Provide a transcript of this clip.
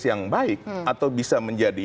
yang baik atau bisa menjadi